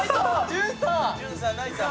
潤さん泣いた。